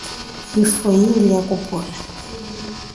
Yifwo ili ya kupola.